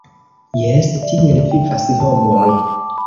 Jes, tiel vivas homoj.